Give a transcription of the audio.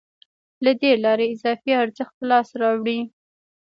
له دې لارې اضافي ارزښت په لاس راوړي